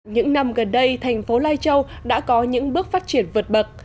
những năm gần đây thành phố lai châu đã có những bước phát triển vượt bậc